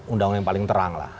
undang undang yang paling terang lah